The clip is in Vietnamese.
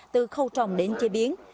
từ khâu trồng đến chế biến